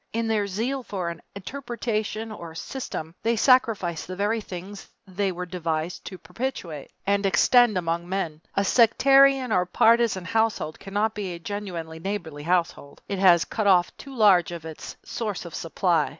In their zeal for an interpretation or system they sacrifice the very things they were devised to perpetuate and extend among men. A sectarian or partisan household cannot be a genuinely neighborly household. It has cut off too large a part of its source of supply.